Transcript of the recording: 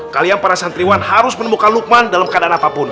kalian para santriwan harus menemukan lukman dalam keadaan apapun